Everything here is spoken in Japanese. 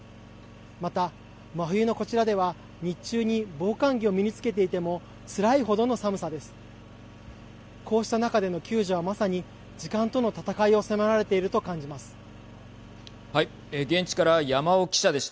また、真冬のこちらでは日中に防寒着を身に着けていてもつらい程の寒さです。